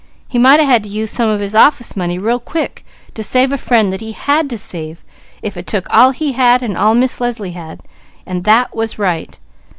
He might a had to use some of his office money real quick, to save a friend that he had to save if it took all he had and all Miss Leslie had; and that was right.